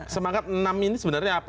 semangat enam ini sebenarnya apa